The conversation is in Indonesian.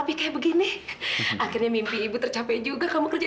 bisa bikin nara diterima lagi gimana ya